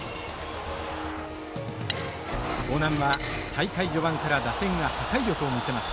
興南は大会序盤から打線が破壊力を見せます。